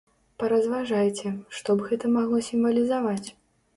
Паразважайце, што б гэта магло сімвалізаваць?